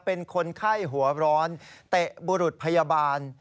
เป็นคนไข้หัวร้อนเตะบุรุษพยาบาล